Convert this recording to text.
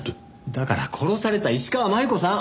だから殺された石川真悠子さん。